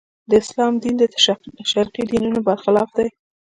د اسلام دین د شرقي دینونو برخلاف دی.